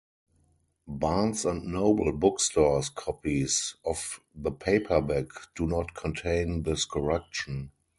Barnes and Noble bookstores copies of the paperback do not contain this correction.